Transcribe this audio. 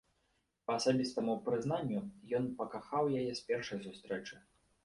Па асабістаму прызнанню, ён пакахаў яе з першай сустрэчы.